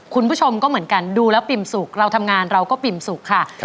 คุณผู้ชมก็เหมือนกันดูแล้วปิ่มสุขเราทำงานเราก็ปิ่มสุขค่ะ